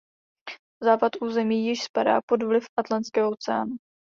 Západ území již spadá pod vliv Atlantského oceánu.